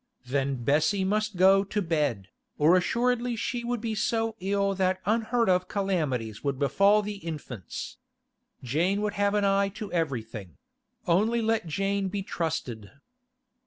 Then Bessie must go to bed, or assuredly she would be so ill that unheard of calamities would befall the infants. Jane would have an eye to everything; only let Jane be trusted.